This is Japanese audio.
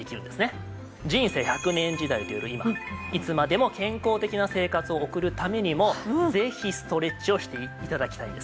３つ目は人生１００年時代という今いつまでも健康的な生活を送るためにもぜひストレッチをして頂きたいんですね。